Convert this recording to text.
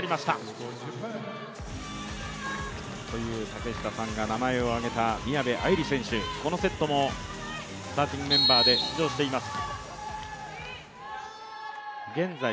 竹下さんが名前を挙げた宮部藍梨選手、このセットもスターティングメンバーで出場しています。